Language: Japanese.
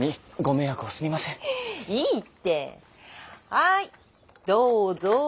はいどうぞ。